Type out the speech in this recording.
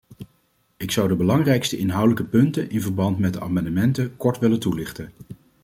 Ik zou de belangrijkste inhoudelijke punten in verband met de amendementen kort willen toelichten.